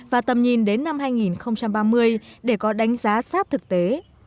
và tầm nhìn đến năm hai nghìn ba mươi để có đánh giá sát thực tế